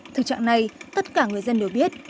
thực trạng này tất cả người dân đều biết